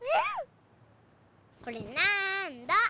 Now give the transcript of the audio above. これなんだ？